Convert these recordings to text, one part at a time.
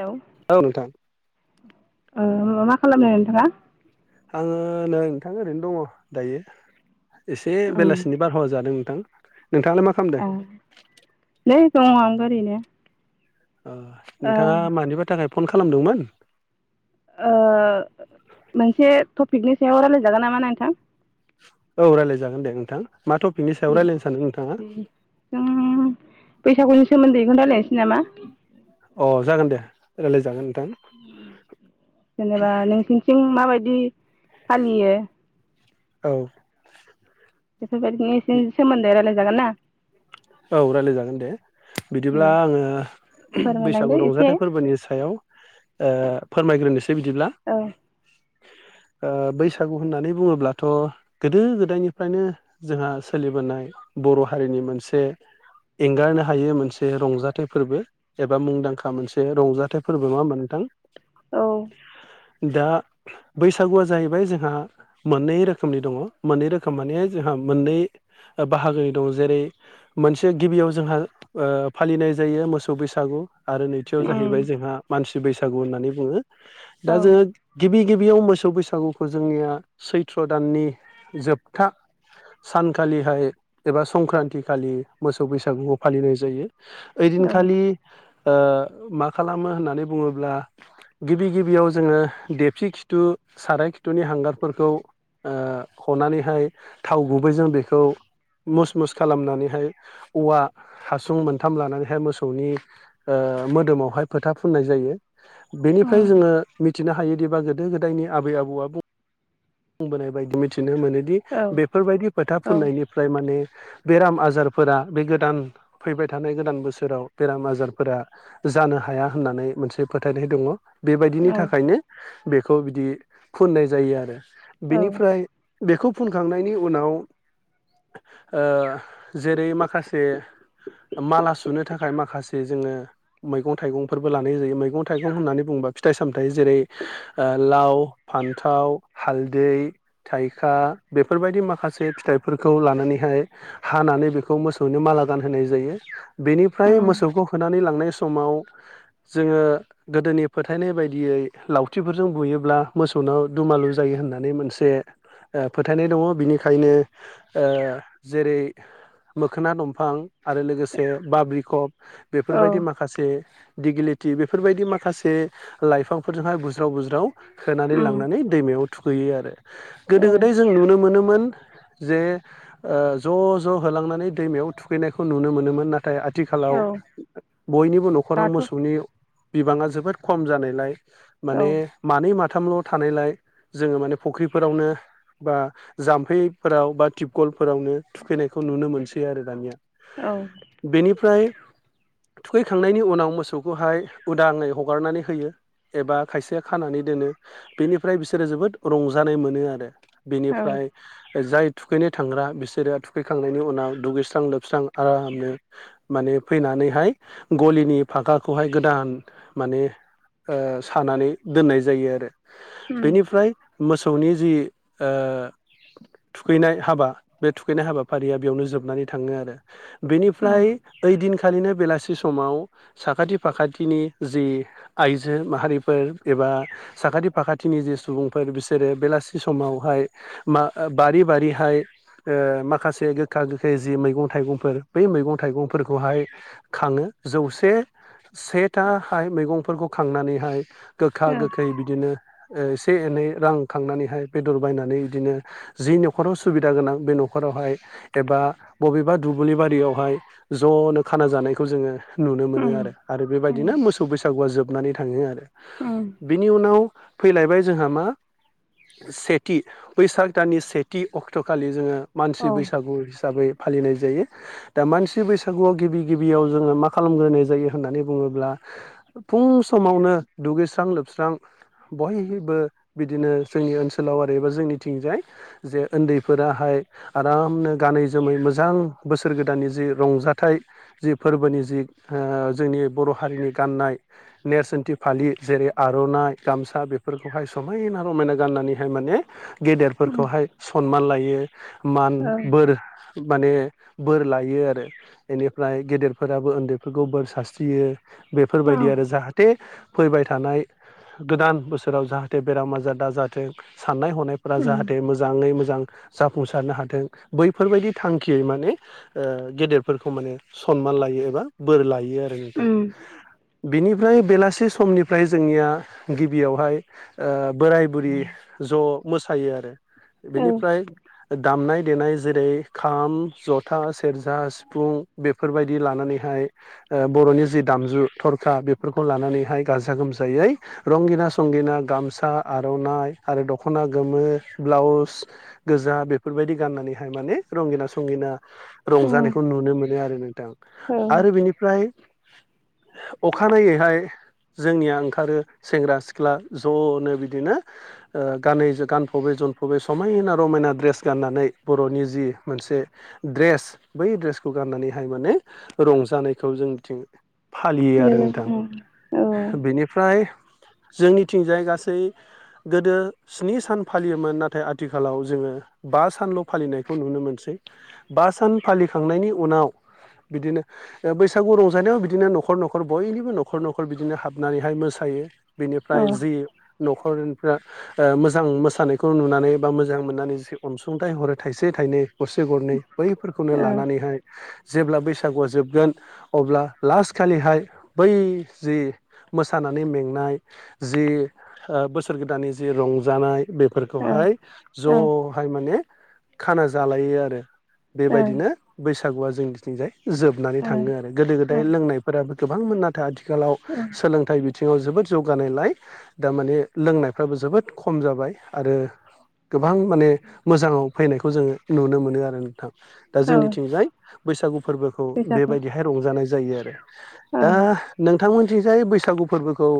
Hello औ नोंथां मा ओ मा खालामदों नोंथाङा? आङो नै नोंथां ओरैनो दङ दायो एसे उम बेलासिनि बारहावा जादों। नोंथां नोंथाङालाय मा ओ खालामदों? नै दङ आंबो ओरैनो अ ओ नोंथाङा मानिबा थाखाय फन खालामदोंमोन ओ मोनसे टपिकनि सायाव रायज्लायजागोन नामा नोंथां औ रायलाय जागोन दे नोंथां मा टपिकनि सायाव रायलायनो सानदों नोंथाङा? जों बैसागुनि सोमोन्दैखौनो रायलायनोसै नामा? अ जागोन दे रायलायजागोन नोंथां। जेनेबा नोंसिनिथिं माबायदि फालियो? औ। बेफोरबायदिनि एसे सोमोन्दै रायजलायजागोन ना औ रायलायजागोन दे बिदिब्ला उम आङो बैसागु फोरमायलांदो एसे रंजाथाइ फोरबोनि सायाव ओ फोरमायग्रोनोसै बिदिब्ला औ [inaudible] ओ बैसागु होननानै बुङोब्लाथ' गोदो गोदायनिफ्रायनो जोंहा सोलिबोनाय बर' हारिनि मोनसे [inaudible] एंगारनो हायो मोनसे रंजाथाइ फोरबो एबा मुंदांखा मोनसे रंजाथाइ फोरबो मा होमबा नोंथां। औ। दा बैसागुआ जाहैबाय जोंहा मोननै रोखोमनि दङ मोननै रोखोम माने जों हा मोननै बाहागोनि दं जेरै मोनसे गिबियाव जोंहा ओ फालिनाय जायो मोसौ बैसागु। आरो नैथियाव उम जाहैबाय जोंहा मानसि बैसागु होननानै बुङो औ दा जोङो गिबि गिबियाव मोसौ बैसागुखौ जोंनिया सैथ्र' दाननि जोबथा सानखालिहाय एबा संक्रान्ति खालि मोसौ बैसागुआव फालिनाय जायो। औ ओइदिनखालि ओ मा खालामो होननानै बुङोब्ला गिबि गिबियाव जोङो देबसि खिथु साराय खिथुनि हांगारफोरखौ ओ हनानैहाय थाव गुबैजों बेखौ मुस मुस खालामनानैहाय औवा हासुं मोनथाम लानानैहाय मोसौनि मोदोमावहाय फोथा फुननाय जायो। बेनिफ्राय उम जोङो मिथिनो हायोदिबा गोदो गोदो गोदायनि आबै आबौआ बुंबोनाय बायदि मिथि नो मोनोदि औ बेफोरबायदि फोथा औ फुननायनिफ्राय माने बेराम आजार फोरा बे गोदान फैबाय थानाय गोदान बोसोराव बेराम आजारफोरा जानो हाया होननानै मोनसे फोथायनाय दङ। बेबायदिनि औ थाखायनो बेखौ बिदि फुननाय जायो आरो बेनिफ्राय बेखौ फुनखांनायनि उनाव जेरै माखासे माला सुनो थाखाय माखासे जोङो मैगं थाइगंफोरबो लानाय जायो मैगं थाइगं होननानै बुंबा फिथाइ सामथाय जेरै ओ लाव फान्थाव हालदै थाइखा बेफोरबायदि माखासे फिथाइफोरखौ लानानैहाय हानानै बेखौ मोसौनो माला गानहोनाय जायो बेनिफ्राय उम मोसौखौ होनानैलांनाय समाव जोङो गोदोनि फोथायनाय बायदियै लावथिफोरजों बुयोब्ला मोसौ उनाव दुमालु जायो होननानै मोनसे ओ फोथायनाय दङ बिनिखायनो ओ जेरै मोखोना दंफां आरो लोगोसे बाब्रिखब औ बेफोरबायदि माखासे दिगिलिटि बेफोरबायदि माखासे लाइफांफोरजोंहाय बुज्राव बुज्राव होनानै उम लांनानै दैमायाव थुखैयो आरो ओ गोदो गोदाय जों नुनो मोनोमोन जे ओ ज' ज' होलांनानै दैमायाव थुखैनायखौ नुनो मोनोमोन नाथाय नाथाय आथिखालाव औ बयनिबो न'खराव दाथ' मोसौनि बिबांङा जोबोद खम जानायलाय औ माने मानै माथ थामल' थानायलाय जोङो माने फुख्रिफोरावनो बा जाम्फैफोराव बा टिबकलफोरावनो थुखैनाय खौ नुनो मोनसै आरो दानिया औ बेनिफ्राय [unintelligible] थुखैखांनायनि उनाव मोसौखौहाय उदाङै हगारनानै होयो। एबा खायसेया खानानै दोनो बेनिफ्राय बिसोरो जोबोद रंजानाय मोनो आरो। औ बिनिफ्राय जाय थुखैनो थांग्रा बिसोरो फैखांनायनि उनाव दुगैस्रां लोबस्रां आरामनो माने फैनानैहाय गलिनि फागाखौहाय गोदान माने ओ सानानै दोननाय जायो आरो। उम बेनिफ्राय मोस मोसौनि जि ओ थुखैनाय हाबा बे थुखैनाय हाबा फारिया बेयावनो जोबनानै थाङो आरो औ बेनिफ्राय इदिन खालिनो बेलासि समाव साखाथि फाखाथिनि जि आइजो माहारिफोर एबा ओ साखाथि फाखाथिनि जे सुबुंफोर बिसोरो बेलासि समावहाय मा ओ बारि बारि बिहाय ओ माखासे बे गोखा गोखै जि मैगं थाइगंफोर बै मैगं थाइगंफोरखौहाय खाङो जौसे सेथाहाय मैगंफोरखौ खांनानैहाय गोखा ओ गोखै बिदिनो ओ एसे एनै रां खांनानैहाय बेदर बायनानै बिदिनो जि न'खराव सुबिदा गोनां बे न'खरावहाय एबा बबेबा दुब्लि बारियावहाय ज'नो खाना जानायखौ जोङो नुनो मोनो उम आरो आरो उम बेबायदिनो मोसौ बैसागुआ जोबनानै थांङो आरो उम बिनि उनाव फैलायबाय जोंहा मा सेथि बैसाग दाननि सेथि अक्ट'खालि जोंङो मानसि औ बैसा हिसाबै फालिनाय जायो दा मानसि बैसागुआव गिबि गिबियाव जोङो मा खालामग्रोनाय जायो होननानै बुङोब्ला फुं समावनो दुगैस्रां लोबस्रां बयबो बिदिनो जोंनि ओनसोलाव आरो एबा जोंनिथिंजाय जे उन्दैफोराहाय [unintelligible] आराम नो गानै जोमै मोजां बोसोर गोदाननि जि रंजाथाइ जि फोरबोनि जि जोंनि बर' हारिनि गाननाय नेरसोनथि फालि जेरै आर'नाइ गामसा बेफोरखौहाय समायना रमायना गाननानैहाय माने उम गेदेरफोरखौहाय सनमान लायो मान औ बोर माने बोर लायो आरो बेनिफ्राय गेदेरफोराबो उन्दैफोरखौ बोर सारस्रियो बेफोरबायदि आरो जाहाथे फैबाय थानाय गोदान बोसोराव जाहाथे बेराम आजार दाजाथों साननाय हनायफोरा उम जाहाथे मोजाङै मोजां जाफुंसारनो हादों बैफोरबायाददि थांखियै माने गेदेरफोरखौ माने सनमान लायो एबा बोर लायो। बे आरो नोंथां उम बिनिफ्राय बेलासि समनिफ्राय जोंनिया गिबियावहाय बोराय बुरि ज' मोसायो आरो औ बेनिफ्राय दामनाय देनाय जेरै खाम जथा सेरजा सिफुं बेफोरबायदि लानानैहाय बर'नि जिनि दामजु थरखा बेफोरखौ लानानैहाय गाजा गोमजायै रंगिना संगिना गामसा आर'नाइ आरो दखना गोमो ब्लाउस गोजा बेफोरबायदि गाननानै हाय माने रंगिना संगिना उम रंजानायखौ नुनो मोनो आरो नोंथां औ आरो बिनिफ्राय [inaudible] अखानायैहाय जोंनिया ओंखारो सेंग्रा सिख्ला ज'नो बिदिनो गानै गानफबै जोम जोमफबै समायना रमायना ड्रेस गाननानै बर'नि जि मोनसे ड्रेस बै ड्रेसखौ गाननानैहाय माने रंजानायखौ जों जोंनिथिं फालियो आरो नोंना नोंथां उम औ बेनिफ्राय जोंनिथिंजाय गासै गोदो स्नि सान फालियोमोन नाथाय आथिखालाव जोङो बा सानल' फालिनायखौ नुनो मोनसै बा सान फालिखांनायनि उनाव बिदिनो बैसागु रंजानायाव बिदिनो न'खर न'खर बयनिबो न'खर न'खर बिदिनो हाबनानैहाय मोसायो बिनिफ्राय जि न'खर मोजां मोसानायखौ नुनानै बा मोजां मोननानै जे अनसुंथाइ हरो थाइसे थाइनै गरसे गरनै बैफोरखौनो अ ओ लानानैहाय जेब्ला बैसागुआ जोबगोन अब्ला लास्ट खालिहाय बै जि मोसानानै मेंनाय जि बोसोर गोदाननि जि रंजानाय बेफोरखौहाय ओ ज'हाय माने खाना जालायो आरो बेबायदिनो बैसागुआ जोंनिथिंजाय जोबनानै थाङो आरो गोदो गोदाय ओ लोंनायफोराबो गोबांमोन नाथाय आथिखालाव ओ सोलोंथाइ बि थिङाव जोबोद जौगानायलाय दामाने लोंनायफ्राबो जोबोद खम जाबाय आरो गोबां माने मोजाङाव फैनायखौ जोङो नुनो मोनो आरो नोंथां दा औ जोंनिथिंजाय बैसागु फोरबोखौ बैसागु बेबायदिहाय रंजानाय जायो आरो ओ दा नोंथांमोन जाय बैसागु फोरबोखौ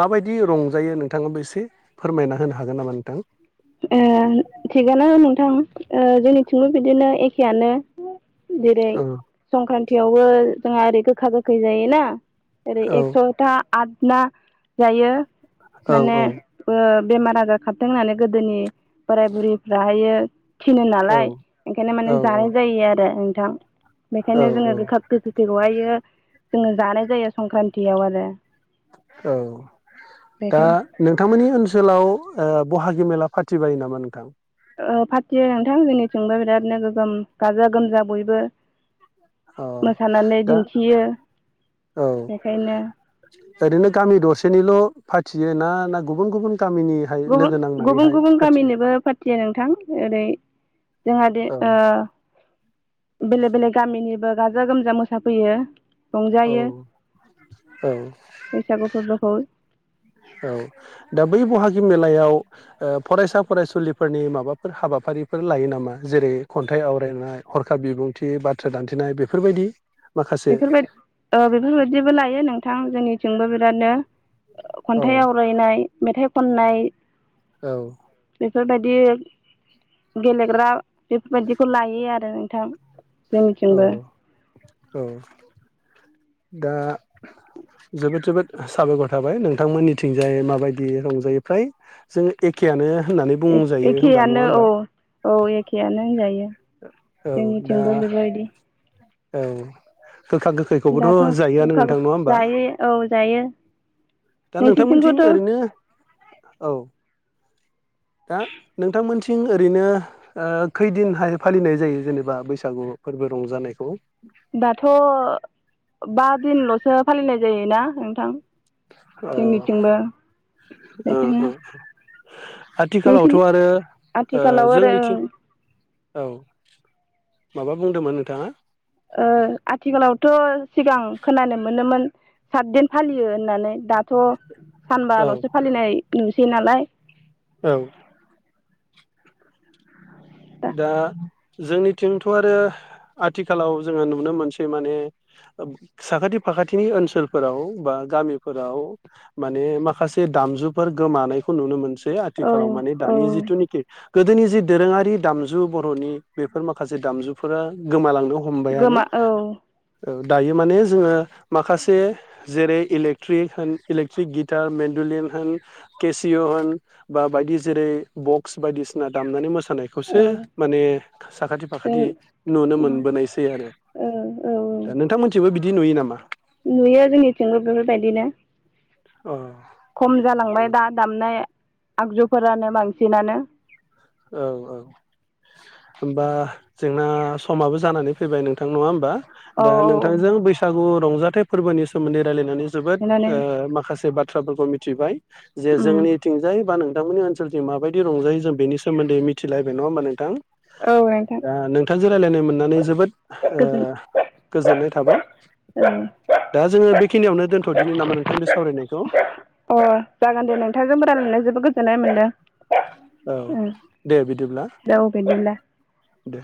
माबायदि रंजायो नोंथाङाबो एसे फोरमायना होनो हागोन नामा नोंथां? ओ थिगानो नोंथां ओ जोंनिथिंबो बिदिनो एखेयानो जेरै औ संक्रान्तियावबो जोंहा ओरै गोखा गोखै जायोना ओरै औ एकस'था आट ना जायो औ माने बो बेमार आजार खारथों होननानै गोदोनि बोराय बुरिफ्राहायो थिनो औ नालाय ओंखायनो माने औ औ जानाय जायो आरो नोंथां औ बेखायनो जोङो औ गोखा गोखैखौहायो जोङो जानाय जायो संक्रान्तिआव आरो औ दा बेखाय नोंथांमोननि ओनसोलाव ओ ब'हागि मेला फाथिबायो नामा नोंथां ओ फाथियो नोंथां जोंनिथिंबो बिरादनो गोगोम गाजा गोमजा बयबो अ मोसानानै दा दिन्थियो औ बेखायनो ओरैनो गामि दरसेनिल' फाथियो ना ना गुबुन गुबुन गामिनिहाय गुबु लोगो गुबुन नांनानैहाय गुबुन फाथियो गामिनोबो फाथियो नोंथां ओरै जोंहा दि औ ओ बेलेक बेलेक गामिनिबो गाजा गोमजा मोसाफैयो औ रंजायो औ बैसागु फोरबोखौ औ दा बै बहागि मेलाआव ओ फरायसा फरायसुलिफोरनि माबाफोर हाबा हाबाफारिफोर लायो नामा जेरै खन्थाइ आवरायनाय हरखााब बिबुंथि बाथ्रा दान्थेनाय बिफोरबादि? बेफोरबाद ओ बेफोरबायदिबो लायो नोंथां जोंनिथिंबो बिरादनो औ खन्थाइ आवरायनाय मेथाइ खननाय औ बिफोरबायदि गेलेग्रा बेफोरबायदिखौ लायो आरो नोंथां औ जोंनिथिंबो औ दाह जोबोद जोबोद साबायखर थाबाय नोंथांमोनिथिंजाय माबायदि रंजायो फ्राय जों एखेयानो होननानै बुंजायो होनबा नङा एखेयानो औ होमबा? औ एखेआनो होनजायो औ दा जोंनिथिंबो बिबायदि औ गोखा गोखैखौबोथ' दाथ' जायोआनो गोखा नोंथां नंआ होमबा? जायो औ जायो दा नोंथांमोथिं नोंसोरथिंबोथ' ओरैनो औ दा नोंथांमोनथिं ओरैनो ओ खैदिनहाय फालिनाय जायो जेनोबा बैसागु फोरबो रंजानायखौ दाथ'बा दिनल'सो फालिनाय जायोना नोंथां अ जोनिथिंबो बेखायनो नोंसिनि आथिखालावथ'आरो ओ आथिखालाव आरो जोंनिथिं औ माबा बुंदोंमोन नोंथांआ? ओ आथिखालावथ' सिगां खोनानो मोनोमोन साथदिन फालियो होननानै दाथ' औ सानबाल'सो फालिनाय नुसै नालाय औ दा जोंनिथिंथ' आरो आथिखालाव जोङो नुनो मोनसै मानि ओ साखाथि फाखाथिनि ओनसोलफोराव बा गामिफोराव माने माखासे दामजुफोर गोमानायखौ नुनो मोनसै औ आथिखालाव माने औ दानि जिथुनिखि गोदोनि जि दोरोंआरि दामजु बर'नि बेफोर माखासे दामजुफोरा गोमालांनो हमबायानो गोमा औ ओ दायो माने जोङो माखासे जेरै इलेट्रिक होन इलेकट्रिक गिटार मेनुयेल होन केसिअ होन बा बायदि जेरै बक्स बायदिसिना दामनानै मोसानाय खौसो औ माने साखाथि जों फाखाथि नुनो औ मोनबोनायसै आरो औ औ नोंथांमोनिथिंबो बिदि नुयो नामा? नुयो जोंनिथिंबो बेफोरबायदिनो अ खम जालांबाय दा दामनाय आगजुफोरानो बांसिनानो औ औ होमबा जोंना समाबो जानानै फैबाय नोंथां नङा होमबा? औ दा औ नोंथांजों बैसागु रंजाथाइ फोरबोनि सोमोन्दै रायलायनानै जोबोद नुनानै ओ माखासे बाथ्राफोरखौ मिथिबाय जे उम जोंनिथिंजाय बा नोंथांमोननि ओनसोलथिं माबायदि रंजायो जों बेनि सोमोन्दै मिथिलायबाय नङा होमबा नोंथां? औ नोंथां दा नोंथांजों रायलायनो मोननानै जोबोद गोजोन ओं गोजोननाय थाबाय। दा जोङो बेखिनियावनो दोनथ'दिनि नामा नोंथां बे सावरायनायखौ? औ अ जागोन दे नोंथांजोंबो रायलायनानै जोबोद गोजोन्नाय मोनदों। औ उम दे बिदिब्ला दे अ बिदिब्ला दे।